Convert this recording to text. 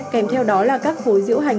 kèm theo đó là các khối diễu hành